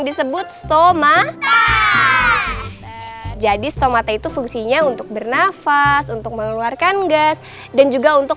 disebut stoma jadi stomata itu fungsinya untuk bernafas untuk mengeluarkan gas dan juga untuk